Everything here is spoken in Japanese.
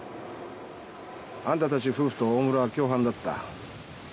あんたたち夫婦とオオムラは共犯だった。